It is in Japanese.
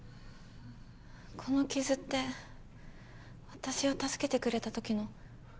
この傷って私を助けてくれた時の？